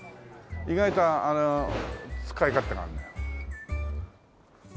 意外とあの使い勝手があるんだよ。